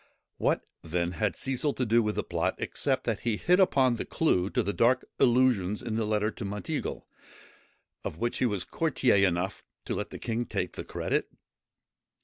What, then, had Cecil to do with the plot, except that he hit upon the clue to the dark allusions in the letter to Monteagle, of which he was courtier enough to let the king take the credit?